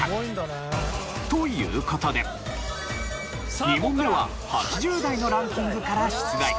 という事で２問目は８０代のランキングから出題。